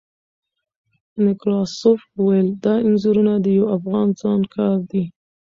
نکراسوف وویل، دا انځورونه د یوه افغان ځوان کار دی.